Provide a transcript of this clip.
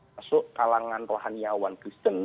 masuk kalangan rohaniawan kristen